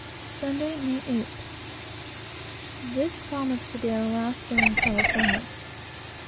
Sunday, May 8th. This promised to be our last day in California.